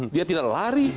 dia tidak lari